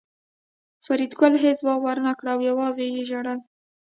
فریدګل هېڅ ځواب ورنکړ او یوازې یې ژړل